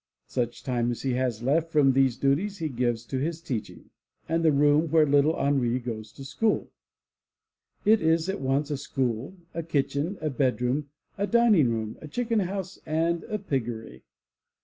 Such time as he has left from these duties he gives to his teaching! And the room where little Henri goes to school! It is at once a school, a kitchen, a bedroom, a dining room, a chicken house and a piggery!